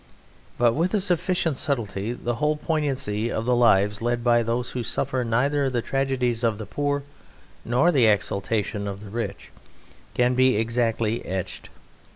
But with a sufficient subtlety the whole poignancy of the lives led by those who suffer neither the tragedies of the poor nor the exaltation of the rich can be exactly etched.